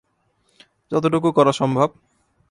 যতটুকু করা সম্ভব।